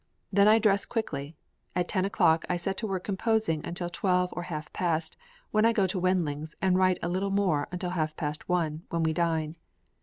Then I dress quickly; at ten o'clock I set to work composing until twelve or half past; then I go to Wendling's and write a little more until half past one, when we dine.